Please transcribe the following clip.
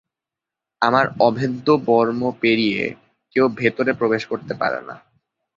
আমার অভেদ্য বর্ম পেরিয়ে কেউ ভেতরে প্রবেশ করতে পারে না।